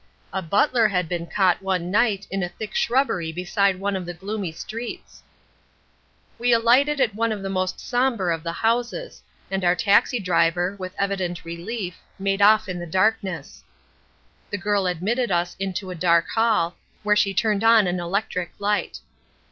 A butler had been caught one night in a thick shrubbery beside one of the gloomy streets. "We alighted at one of the most sombre of the houses, and our taxi driver, with evident relief, made off in the darkness. "The girl admitted us into a dark hall, where she turned on an electric light.